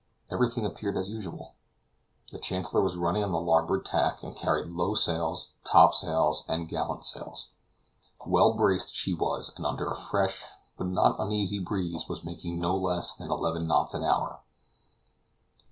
Everything appeared as usual. The Chancellor was running on the larboard tack, and carried low sails, top sails, and gallant sails. Well braced she was; and under a fresh, but not uneasy breeze, was making no less than eleven knots an hour.